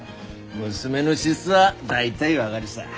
娘の資質は大体分がるさ。